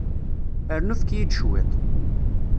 Rnu efk-iyi-d cwiṭ.